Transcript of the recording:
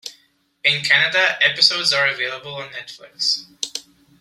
In Canada, episodes are available on Netflix.